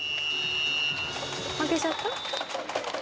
負けちゃった？